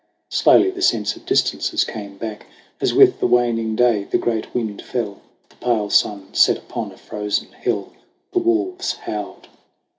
Slowly the sense of distances came back As with the waning day the great wind fell. The pale sun set upon a frozen hell. The wolves howled.